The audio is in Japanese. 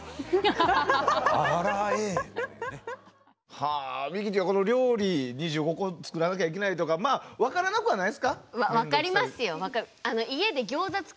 はあミキティーはこの料理２５個作らなきゃいけないとかまあ分からなくはないですか？